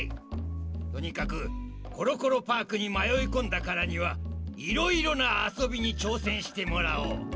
とにかくコロコロパークにまよいこんだからにはいろいろなあそびにちょうせんしてもらおう。